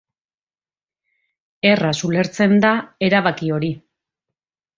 Erraz ulertzen da erabaki hori.